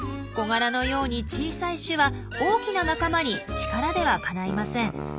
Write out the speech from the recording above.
コガラのように小さい種は大きな仲間に力ではかないません。